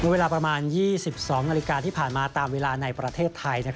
เวลาประมาณ๒๒นาฬิกาที่ผ่านมาตามเวลาในประเทศไทย